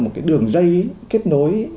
một cái đường dây kết nối